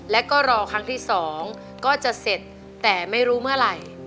แล้วก็รอครั้งที่๒ก็จะเสร็จแต่ไม่รู้เมื่อไหร่